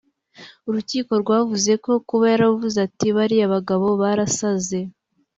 Urukiko rwavuze ko kuba yaravuze ati “bariya bagabo barasaze